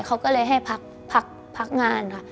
เขาก็เลยให้พักงานค่ะ